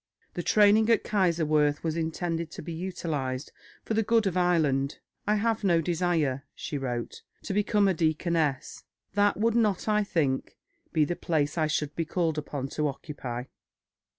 The training at Kaiserswerth was intended to be utilised for the good of Ireland. "I have no desire," she wrote, "to become a deaconess; that would not, I think, be the place I should be called upon to occupy.